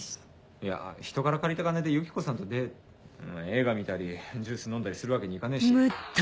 いやひとから借りた金でユキコさんとデー映画見たりジュース飲んだりするわけにいかねえし。